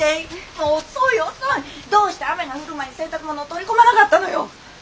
どうして雨が降る前に洗濯物を取り込まなかったのよ！